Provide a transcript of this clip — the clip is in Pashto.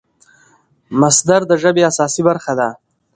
مصدر د ژبي اساسي برخه ده.